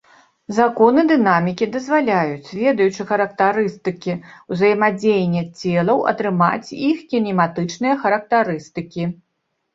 Законы дынамікі дазваляюць, ведаючы характарыстыкі ўзаемадзеяння целаў, атрымаць іх кінематычныя характарыстыкі.